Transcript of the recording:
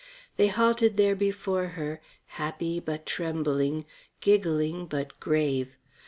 They halted there before her, happy but trembling, giggling but grave.